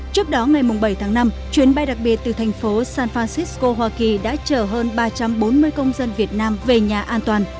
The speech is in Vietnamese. trước đó ngày bảy tháng năm chuyến bay đặc biệt từ thành phố san francisco hoa kỳ đã chở hơn ba trăm bốn mươi công dân việt nam về nhà an toàn